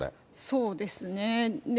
そうですね。